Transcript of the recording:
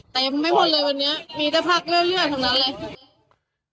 แต่ยังไม่หมดเลยวันนี้มีแต่พักเรื่อยเรื่อยแบบนั้นเลย